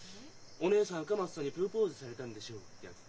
「お義姉さん赤松さんにプロポーズされたんでしょう」ってやつ。